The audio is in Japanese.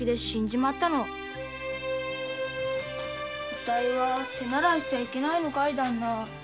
あたいは手習いしちゃいけないのかい？